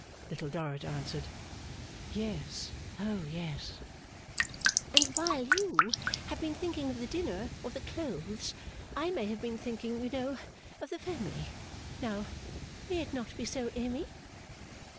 Little Dorrit answered 'Yes. O yes!' 'And while you have been thinking of the dinner or the clothes, I may have been thinking, you know, of the family. Now, may it not be so, Amy?